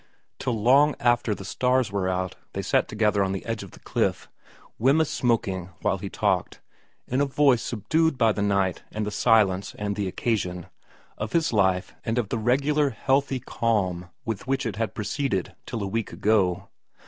Till long after the stars were out they sat together m VERA 27 on the edge of the cliff, Wemyss smoking while he talked, in a voice subdued by the night and the silence and the occasion, of his life and of the regular healthy calm with which it had proceeded till a week ago.